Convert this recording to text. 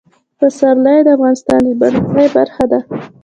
پسرلی د افغانستان د بڼوالۍ برخه ده.